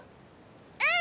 うん！